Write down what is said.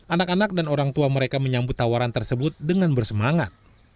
anak anak dan orang tua mereka menyambut tawaran tersebut dengan bersemangat